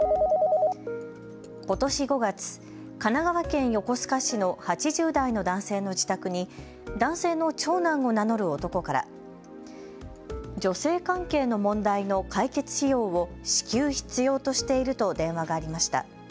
ことし５月、神奈川県横須賀市の８０代の男性の自宅に男性の長男を名乗る男から女性関係の問題の解決費用を至急、必要としていると電話がありました。